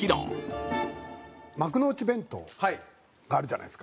幕の内弁当があるじゃないですか。